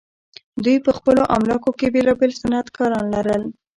دوی په خپلو املاکو کې بیلابیل صنعتکاران لرل.